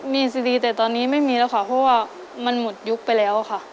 มีซีดีแต่ตอนนี้ไม่มีแล้วค่ะเพราะว่ามันหมดยุคไปแล้วค่ะ